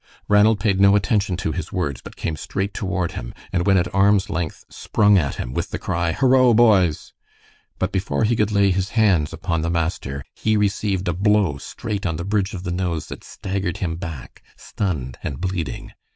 Ranald paid no attention to his words, but came straight toward him, and when at arm's length, sprung at him with the cry, "Horo, boys!" But before he could lay his hands upon the master, he received a blow straight on the bridge of the nose that staggered him back, stunned and bleeding.